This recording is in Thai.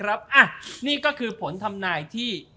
อันนี้ก็คือผลทำนายที่